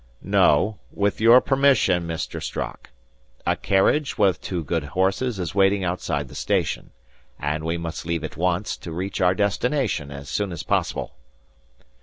"No; with your permission, Mr. Strock. A carriage with two good horses is waiting outside the station; and we must leave at once to reach our destination as soon as possible."